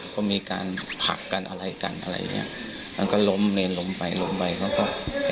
ก็มีการผลักกันอะไรกันอะไรอย่างเงี้ยมันก็ล้มเนรล้มไปล้มไปเขาก็